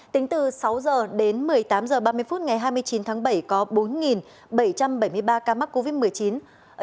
tính từ sáu h đến một mươi tám h ba mươi phút ngày hai mươi chín tháng bảy có bốn bảy trăm bảy mươi ba ca mắc covid một mươi chín